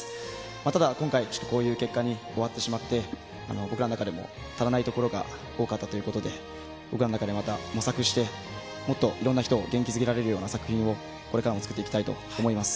ただ今回、こういう結果に終わってしまって、僕らの中でも足らないところが多かったということで、僕らの中でまた模索して、もっといろんな人を元気づけられるような作品をこれからも作っていきたいと思います。